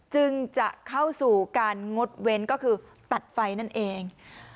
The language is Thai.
จึงจะเข้าสู่การงดเว้นก็คือตัดไฟนั่นเอง